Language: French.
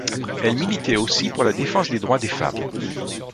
Elle militait aussi pour la défense des droits des femmes.